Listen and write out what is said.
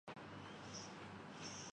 ‘ لیکن ہم جو ہیں۔